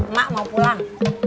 mak mau pulang